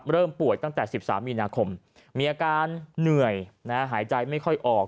เริ่มป่วยตั้งแต่๑๓มีนาคมมีอาการเหนื่อยหายใจไม่ค่อยออก